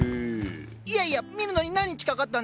いやいや見るのに何日かかったんですか。